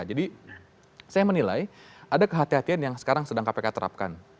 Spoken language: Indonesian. jadi saya menilai ada kehati hatian yang sekarang sedang kpk terapkan